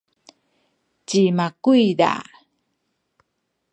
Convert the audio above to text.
cima kuyza?